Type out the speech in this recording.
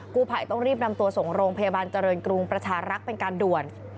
ภัยต้องรีบนำตัวส่งโรงพยาบาลเจริญกรุงประชารักษ์เป็นการด่วน